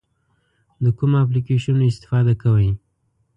د کومو اپلیکیشنونو استفاده کوئ؟